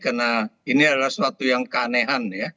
karena ini adalah suatu yang keanehan